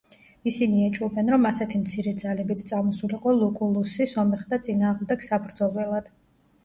ისინი ეჭვობენ, რომ ასეთი მცირე ძალებით წამოსულიყო ლუკულუსი სომეხთა წინააღმდეგ საბრძოლველად.